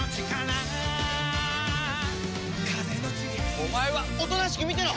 お前はおとなしく見てろ！